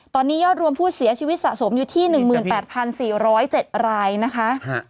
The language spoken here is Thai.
ตอนนี้ยอดรวมผู้เสียชีวิตสะสมอยู่ที่๑๘๔๐๗รายนะคะ